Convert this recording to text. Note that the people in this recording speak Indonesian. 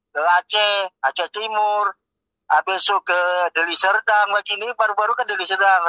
ke aceh aceh timur besok ke deli serdang lagi ini baru baru kan deli serdang